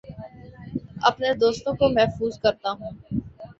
اپنے دوستوں کو محظوظ کرتا ہوں